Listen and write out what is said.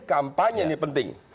kampanye ini penting